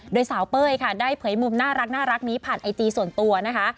โดยสาวเป้ยค่ะได้เผยมุมน่ารักนี้ผ่านไอจีส่วนตัวนะคะ